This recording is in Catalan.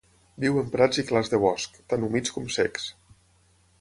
Viu en prats i clars de bosc, tant humits com secs.